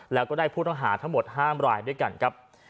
แล้วก็ได้ผู้ต้องหาทั้งหมด๕รายด้วยกันครับ